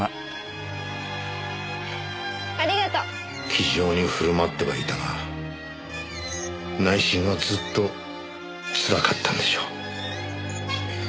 気丈に振る舞ってはいたが内心はずっとつらかったんでしょう。